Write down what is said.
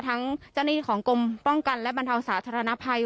เจ้าหน้าที่ของกรมป้องกันและบรรเทาสาธารณภัย